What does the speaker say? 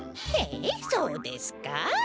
へえそうですか？